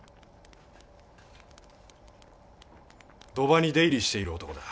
賭場に出入りしている男だ。